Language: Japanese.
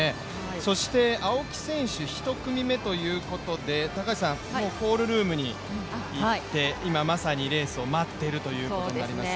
そして青木選手、１組目ということで、高橋さん、もうコールルームに行って今まさにレースを待っていることになりますね。